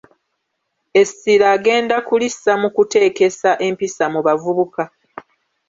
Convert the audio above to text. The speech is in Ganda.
Essira agenda kulissa mu kuteekesa empisa mu bavubuka